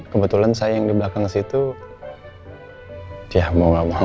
kebetulan saya yang di belakang situ ya mau gak mau